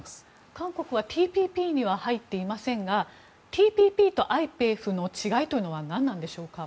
韓国はＴＰＰには入っていませんがＴＰＰとＩＰＥＦの違いというのは何でしょうか？